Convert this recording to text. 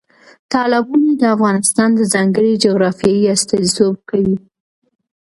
تالابونه د افغانستان د ځانګړې جغرافیې استازیتوب کوي.